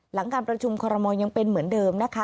หลังการประชุมคอรมอลยังเป็นเหมือนเดิมนะคะ